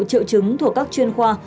triệu chứng thuộc các chuyên khoa